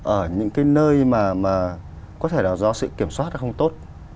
ở những cái nơi mà có thể là do sự kiểm soát không tốt